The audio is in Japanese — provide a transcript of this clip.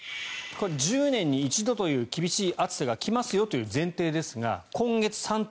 １０年に一度という厳しい暑さが来ますよという前提ですが今月３．７％